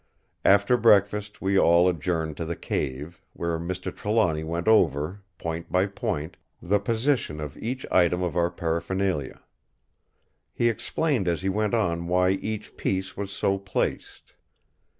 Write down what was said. After breakfast we all adjourned to the cave, where Mr. Trelawny went over, point by point, the position of each item of our paraphernalia. He explained as he went on why each piece was so placed.